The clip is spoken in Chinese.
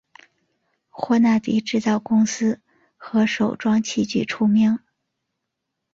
霍纳迪制造公司和手装器具出名。